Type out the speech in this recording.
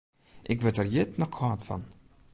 Ik wurd der hjit noch kâld fan.